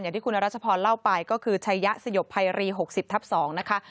ที่คุณรัชพรเล่าไปก็คือชัยยะสยบภัยรี๖๐ทับ๒นะคะ